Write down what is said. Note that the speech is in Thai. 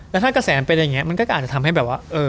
แล้วถ้ากระแสมันเป็นอย่างนี้มันก็อาจจะทำให้แบบว่า